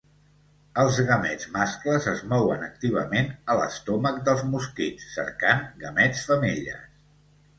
Els gamets mascles es mouen activament a l'estomac dels mosquits cercant gamets femelles.